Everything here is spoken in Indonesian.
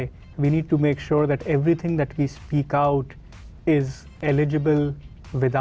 kita harus memastikan segalanya yang kita bahas adalah terdapat